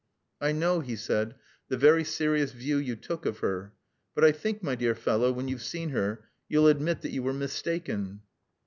"I know," he said, "the very serious view you took of her. But I think, my dear fellow, when you've seen her you'll admit that you were mistaken."